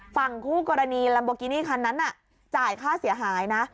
ฝั่งคู่กรณีลัมโบกินี่คันนั้นจ่ายค่าเสียหายนะ